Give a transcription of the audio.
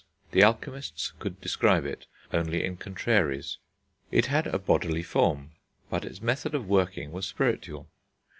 The alchemists could describe it only in contraries. It had a bodily form, but its method of working was spiritual.